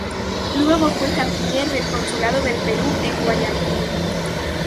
Luego fue canciller del Consulado del Perú en Guayaquil.